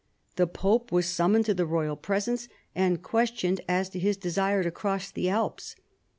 The pope was sum moned to the royal presence, and questioned as to his desire to cross the Alps.